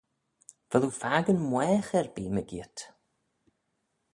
Vel oo fakin mwaagh erbee mygeayrt?